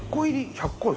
１００個。